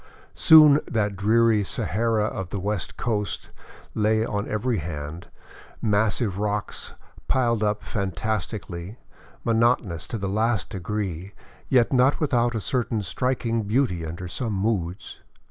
Soon that dreary Sahara of the West Coast lay on every hand, massive rocks piled up fantastically, monotonous to the last degree, yet not without a certain striking beauty tinder some moods.